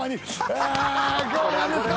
今日は何ですか？